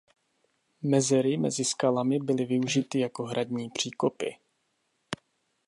Mezery mezi skalami byly využity jako hradní příkopy.